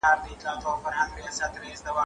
زه بايد لیکل وکړم؟!